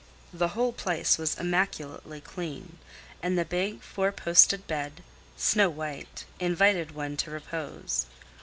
The whole place was immaculately clean, and the big, four posted bed, snow white, invited one to repose.